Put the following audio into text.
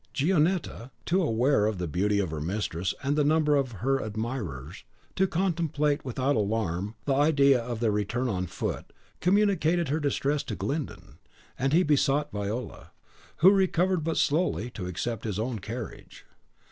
Gionetta, too aware of the beauty of her mistress and the number of her admirers to contemplate without alarm the idea of their return on foot, communicated her distress to Glyndon, and he besought Viola, who recovered but slowly, to accept his own carriage.